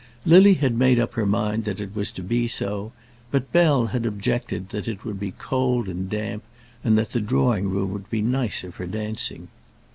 Lily had made up her mind that it was to be so, but Bell had objected that it would be cold and damp, and that the drawing room would be nicer for dancing.